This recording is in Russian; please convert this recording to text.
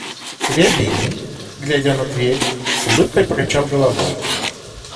Рябинин, глядя на дверь, с улыбкой покачал головой.